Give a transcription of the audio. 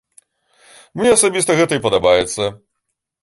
Мне асабіста гэта і падабаецца.